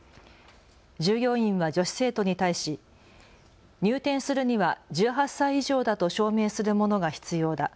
従業員は女子生徒に対し入店するには１８歳以上だと証明するものが必要だ。